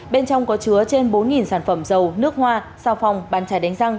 bên trong có chứa trên bốn sản phẩm dầu nước hoa sao phòng bàn chai đánh răng